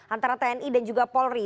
antara tni dan juga polri